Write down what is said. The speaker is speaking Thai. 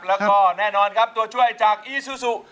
แล้วก็แน่นอนครับตัวช่วยจากอีซูซู